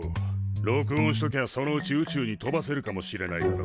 録音しときゃそのうち宇宙に飛ばせるかもしれないだろ。